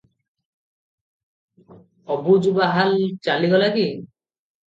ଅବୁଜବାହାଲ ଚାଲିଗଲା କି?